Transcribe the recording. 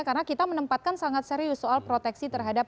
karena kita menempatkan sangat serius soal proteksi terhadap